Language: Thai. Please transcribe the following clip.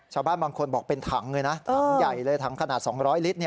ชาวบ้านบางคนบอกเป็นถังเลยนะถังใหญ่เลยถังขนาด๒๐๐ลิตร